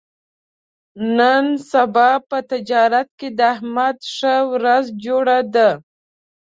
نن سبا په تجارت کې د احمد ښه ورځ جوړه ده.